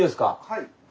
はい。